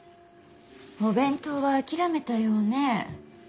お弁当は諦めたようね。